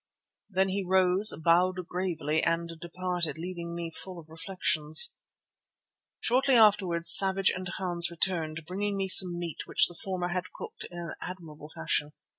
Then he rose, bowed gravely and departed, leaving me full of reflections. Shortly afterwards Savage and Hans returned, bringing me some meat which the former had cooked in an admirable fashion.